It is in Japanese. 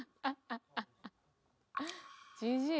「じじい！